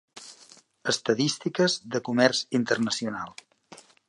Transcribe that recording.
Estadístiques de comerç internacional.